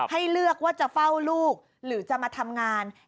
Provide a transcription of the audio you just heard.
ให้เลือกว่าจะเฝ้าลูกหรือจะมาทำงาน